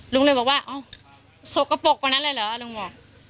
ลุงเลยบอกว่าเอ้าสกปรกกว่านั้นเลยเหรอลุงบอก